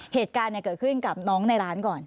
เหตุการณ์เกิดขึ้นกับน้องในร้านก่อน